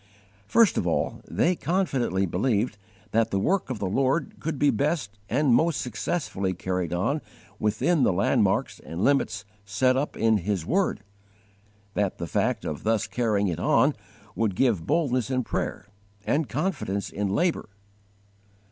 First of all, they confidently believed that the work of the Lord could be best and most successfully carried on within the landmarks and limits set up in His word; that the fact of thus carrying it on would give boldness in prayer and confidence in labour.